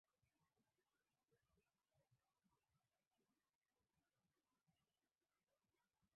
mgonjwa wa ukimwi anaweza kuwa na pneumonia